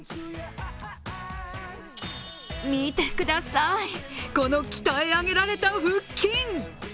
見てください、この鍛え上げられた腹筋。